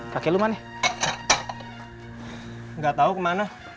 mas steep tau rapat